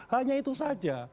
hanya itu saja